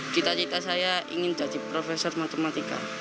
cita cita saya ingin jadi profesor matematika